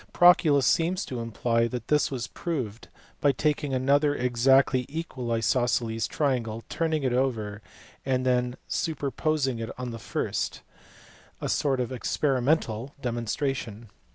Proclus seems to imply that this was proved by taking another exactly equal isosceles triangle, turning it over, and then superposing it on the first; a sort of experimental demonstration.